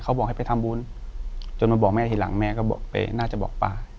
บอกให้ไปทำบุญจนมาบอกแม่ทีหลังแม่ก็บอกไปน่าจะบอกป้า